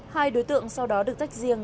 hai đối tượng sau đó được tách riêng